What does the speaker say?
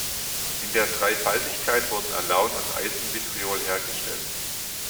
In der Dreifaltigkeit wurden Alaun und Eisenvitriol hergestellt.